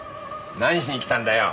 何しに来たんだよ？